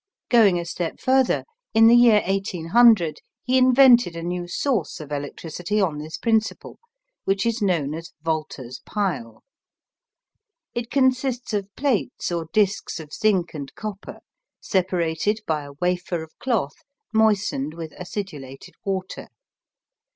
Going a step further, in the year 1800 he invented a new source of electricity on this principle, which is known as "Volta's pile." It consists of plates or discs of zinc and copper separated by a wafer of cloth moistened with acidulated water.